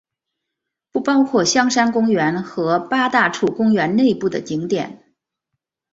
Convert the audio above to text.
不包括香山公园和八大处公园内部的景点。